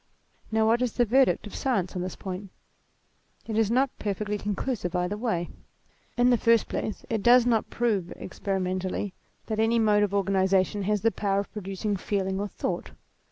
Now what is the verdict of science on this point ? It is not perfectly conclusive either way. In the first place, it does not prove, experimentally, that any mode of o 2 198 THEISM organization has the power of producing feeling or thought.